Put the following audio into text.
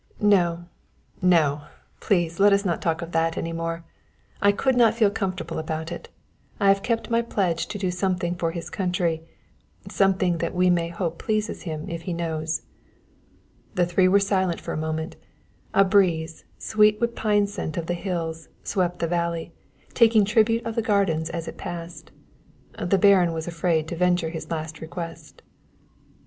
"No, no! Please let us not talk of that any more. I could not feel comfortable about it. I have kept my pledge to do something for his country something that we may hope pleases him if he knows." The three were silent for a moment. A breeze, sweet with pine scent of the hills, swept the valley, taking tribute of the gardens as it passed. The Baron was afraid to venture his last request.